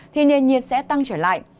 thì nền nhiệt sẽ tăng trở lại